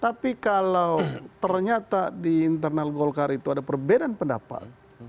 tapi kalau ternyata di internal golkar itu ada perbedaan pendapat